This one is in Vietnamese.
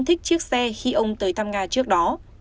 thích chiếc xe khi ông tới thăm nga trước đó